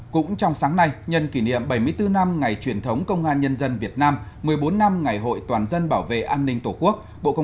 cũng trong sáng nay nhân kỷ niệm bảy mươi bốn năm ngày truyền thống công an nhân dân việt nam một mươi bốn năm ngày hội toàn dân bảo vệ an ninh tổ quốc